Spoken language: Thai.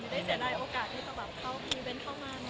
ได้เสียดายโอกาสที่จะแบบเข้าอีเวนต์เข้ามา